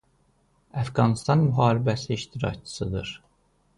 Əfqanıstan müharibəsi iştirakçısıdır.